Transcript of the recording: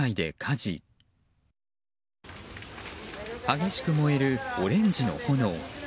激しく燃えるオレンジの炎。